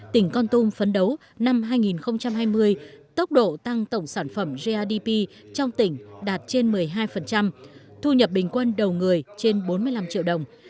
tỉnh con tum phấn đấu năm hai nghìn hai mươi tốc độ tăng tổng sản phẩm grdp trong tỉnh đạt trên một mươi hai thu nhập bình quân đầu người trên bốn mươi năm triệu đồng